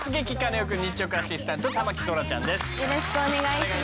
よろしくお願いします。